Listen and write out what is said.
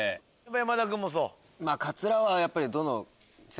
山田君もそう？